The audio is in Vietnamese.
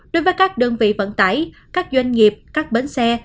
đối với các đơn vị vận tải các doanh nghiệp các bến xe